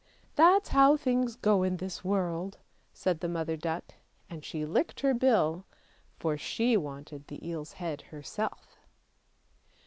" That's how things go in this world," said the mother duck, and she licked her bill, for she wanted the eel's head herself.